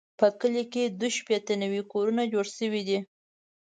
په کلي کې دوه شپېته نوي کورونه جوړ شوي دي.